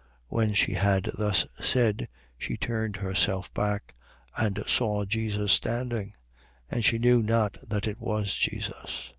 20:14. When she had thus said, she turned herself back and saw Jesus standing: and she knew not that it was Jesus.